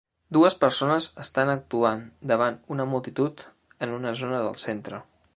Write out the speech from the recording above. Dues persones estan actuant davant una multitud en una zona del centre